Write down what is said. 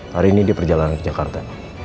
hari ini dia perjalanan ke jakarta